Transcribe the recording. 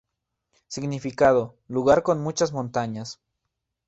Significado: Lugar con muchas montañas.